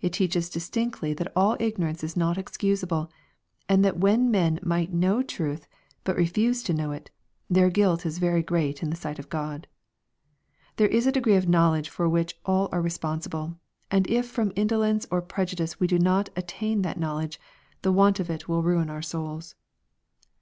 It teaches distinctly that all ignorance is not excusable, and that when men might know truth, but refuse to know it, their guilt is very great in the sight of God. There is a degree of knowledge for which all are responsible, and if from indolence or pre judice we do not attain that knowledge, the want of it will ruin our souls.